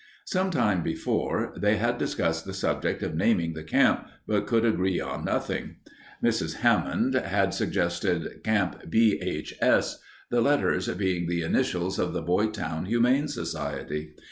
Some time before they had discussed the subject of naming the camp, but could agree on nothing. Mrs. Hammond had suggested Camp B. H. S., the letters being the initials of the Boytown Humane Society.